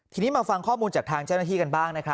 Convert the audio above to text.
ทีนี้มาฟังข้อมูลจากทางเจ้าหน้าที่กันบ้างนะครับ